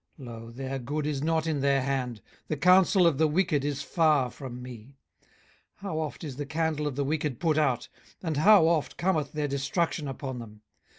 18:021:016 Lo, their good is not in their hand: the counsel of the wicked is far from me. 18:021:017 How oft is the candle of the wicked put out! and how oft cometh their destruction upon them!